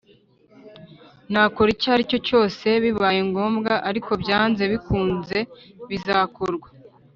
nakora icyo aricyo cyose bibaye ngombwa ariko byanze bikunze bizakorwa